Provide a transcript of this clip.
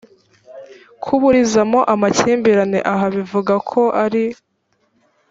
kuburizamo amakimbirane aha bivuga ko ari